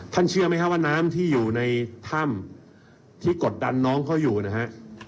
เชื่อไหมครับว่าน้ำที่อยู่ในถ้ำที่กดดันน้องเขาอยู่นะฮะ